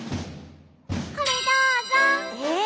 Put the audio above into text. これどうぞ。えっ？